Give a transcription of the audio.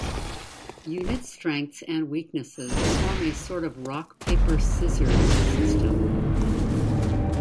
Unit strengths and weaknesses form a sort of rock-paper-scissors system.